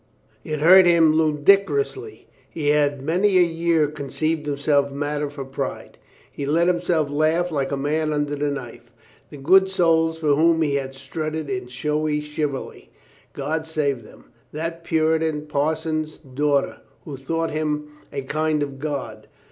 It hurt him ludicrously. He had many a year con ceived himself matter for pride. He let himself laugh like a man under the knife. The good souls for whom he had strutted in a showy chivalry — God save them! That Puritan parson's daughter, who thought him a kind of god